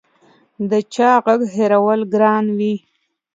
د چا غږ هېرول ګران وي